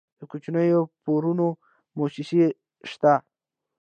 د کوچنیو پورونو موسسې شته؟